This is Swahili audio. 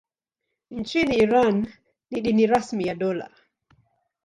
Nchini Iran ni dini rasmi ya dola.